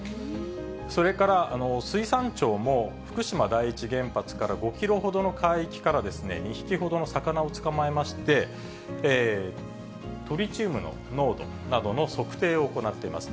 それから、水産庁も福島第一原発から５キロほどの海域から２匹ほどの魚を捕まえまして、トリチウムの濃度などの測定を行っています。